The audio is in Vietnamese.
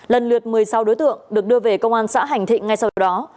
lần lượt một mươi sáu đối tượng được đưa về công an xã hành thịnh ngay sau đó